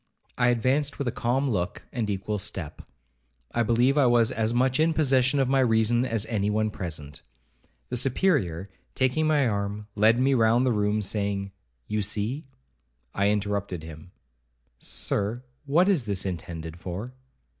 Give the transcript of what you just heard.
I advanced with a calm look, and equal step. I believe I was as much in possession of my reason as any one present. The Superior, taking my arm, led me round the room, saying, 'You see—' I interrupted him—'Sir, what is this intended for?'